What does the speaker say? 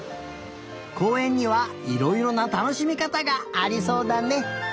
こうえんにはいろいろなたのしみかたがありそうだね。